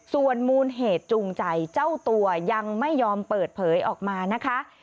ส่วนมูลเหตุจูงใจเจ้าตัวยังไม่ยอมเปิดเผยออกมานะคะ